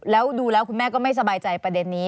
แล้วดูแล้วคุณแม่ก็ไม่สบายใจประเด็นนี้